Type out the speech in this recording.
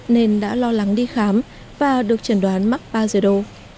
nên đã lo lắng đi khám và được chẩn đoán mắc pajado